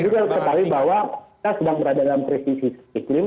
kita ketahui bahwa kita sedang berada dalam krisis iklim